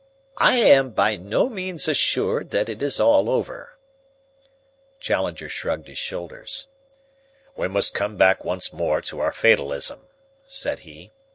I am by no means assured that it is all over." Challenger shrugged his shoulders. "We must come back once more to our fatalism," said he.